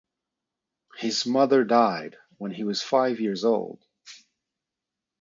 His mother died when he was five years old.